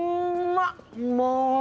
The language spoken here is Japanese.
うまい！